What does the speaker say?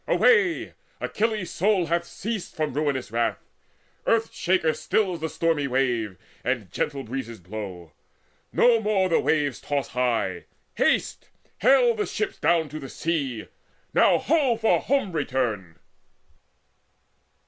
Away! Achilles soul Hath ceased from ruinous wrath; Earth shaker stills The stormy wave, and gentle breezes blow; No more the waves toss high. Haste, hale the ships Down to the sea. Now, ho for home return!"